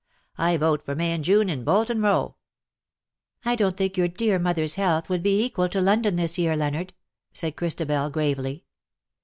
I vote for May and June in Bolton Row.'^ ^^ I don^t think your dear mother's health would be equal to Londbn, this year, Leonard," said Christabel, gravely.